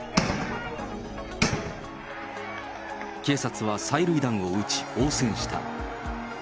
警察は催涙弾を撃ち応戦した。